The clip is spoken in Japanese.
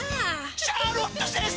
シャーロット先生！